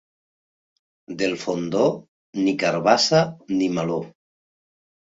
Del Fondó, ni carabassa ni meló.